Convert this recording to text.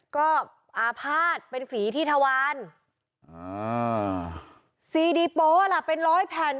ก็อภาษณ์เป็นฝีธิธวรรณ